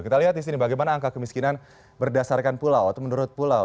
kita lihat di sini bagaimana angka kemiskinan berdasarkan pulau atau menurut pulau